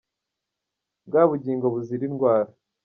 Bwa bugingo buzira indwara